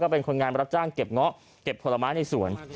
เป็นคนงานรับจ้างเก็บเงาะเก็บผลไม้ในสวน